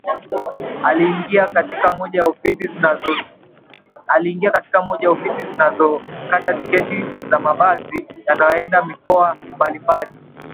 Aliingia katika moja ya ofisi zinazokata tiketi za mabasi yanayoenda mikoa mbalimbali